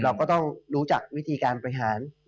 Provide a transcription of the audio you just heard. เราก็ต้องรู้จักวิธีการบริหาร